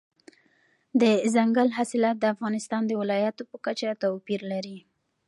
دځنګل حاصلات د افغانستان د ولایاتو په کچه توپیر لري.